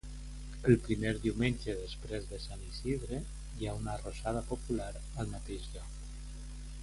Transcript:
El primer diumenge després de sant Isidre hi ha una arrossada popular al mateix lloc.